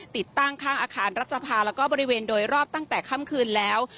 ติดตั้งข้างอาคารรัฐสภาแล้วก็บริเวณโดยรอบตั้งแต่ค่ำคืนแล้ว